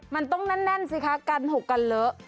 มันต้องแน่นสิคะการหุบกันเหลือ